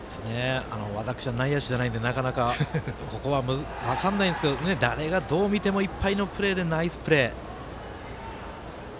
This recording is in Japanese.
私は内野手じゃないんでなかなかここは分からないんですけど誰がどう見てもいっぱいのプレーでナイスプレー。